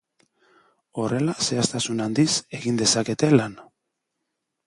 Horrela zehaztasun handiz egin dezakete lan.